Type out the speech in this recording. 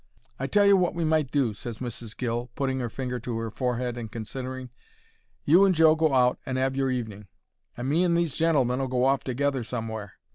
"I tell you wot we might do," ses Mrs. Gill, putting 'er finger to her forehead and considering. "You and Joe go out and 'ave your evening, and me and these gentlemen'll go off together somewhere.